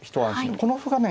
この歩がね